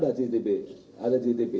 di penyediaan jalan ada citp